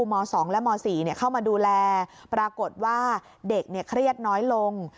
ม๒และม๔เข้ามาดูแลปรากฏว่าเด็กเครียดน้อยลง